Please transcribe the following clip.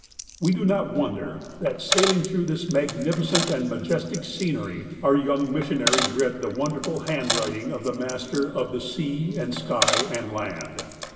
We do not wonder that sailing through this magnifi cent and majestic scenery our young missionary read the wonderful handwriting of the Master of '' sea and sky and land."